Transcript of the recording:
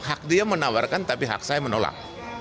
hak dia menawarkan tapi hak saya menolak